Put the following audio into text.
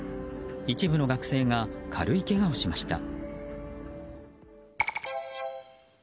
一部の学生が軽いけがをしました。